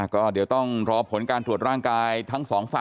ก็เดี๋ยวต้องรอผลการตรวจร่างกายทั้งสองฝั่ง